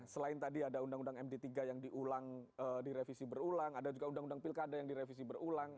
selain tadi ada undang undang md tiga yang diulang direvisi berulang ada juga undang undang pilkada yang direvisi berulang